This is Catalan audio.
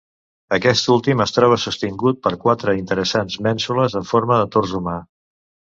Aquest últim es troba sostingut per quatre interessants mènsules en forma de tors humà.